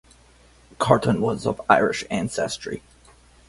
Carton was of Irish ancestry.